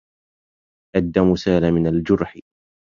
الدم سالَ من الجُرح.